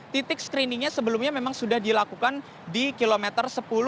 titik screeningnya sebelumnya memang sudah dilakukan di kilometer sepuluh